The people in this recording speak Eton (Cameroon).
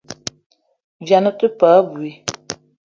Vian ou te paa abui.